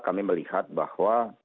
kami melihat bahwa